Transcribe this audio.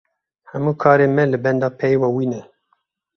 Hemû karên me li benda peyva wî ne.